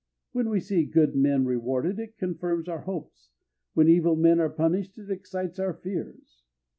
When we see good men rewarded it confirms our hopes, and when evil men are punished it excites our fears.